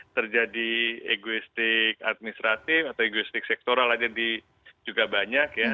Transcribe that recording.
terjadi egoistik administratif atau egoistik sektoral aja juga banyak ya